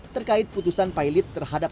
terkait putusan pailit terhadap